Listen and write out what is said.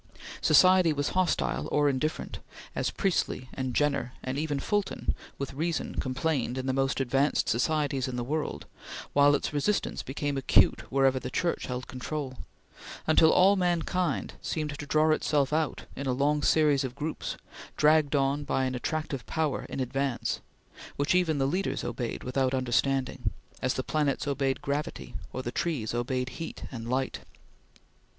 Society was hostile or indifferent, as Priestley and Jenner, and even Fulton, with reason complained in the most advanced societies in the world, while its resistance became acute wherever the Church held control; until all mankind seemed to draw itself out in a long series of groups, dragged on by an attractive power in advance, which even the leaders obeyed without understanding, as the planets obeyed gravity, or the trees obeyed heat and light.